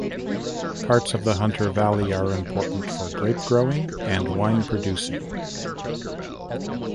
Parts of the Hunter Valley are important for grape growing and wine producing.